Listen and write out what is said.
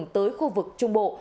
tới khu vực trung bộ